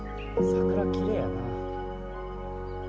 桜、きれいやな。